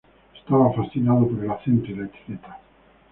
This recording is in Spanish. Estaba fascinado por el acento y la etiqueta.